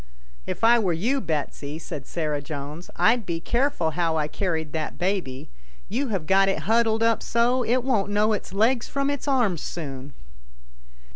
" If I were you, Betsy," said Sarah Jones, " I'd be careful how I carried that baby. You have got it huddled up so, it won't know its legs from its arms soon."